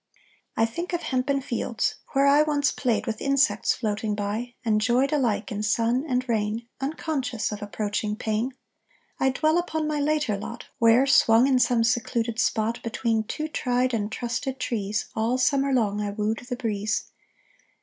I think of hempen fields, where I Once played with insects floating by, And joyed alike in sun and rain, Unconscious of approaching pain. I dwell upon my later lot, Where, swung in some secluded spot Between two tried and trusted trees, All summer long I wooed the breeze.